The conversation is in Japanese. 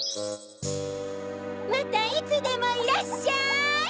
またいつでもいらっしゃい！